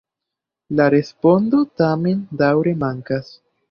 La respondo tamen daŭre mankas.